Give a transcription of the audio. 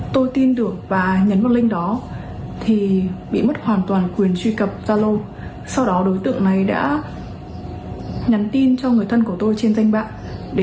tôi tin được và nhấn vào link đó thì bị mất hoàn toàn quyền truy cập zalo sau đó đối tượng này đã nhắn tin cho người thân của tôi trên danh bạn để vay mượn tiền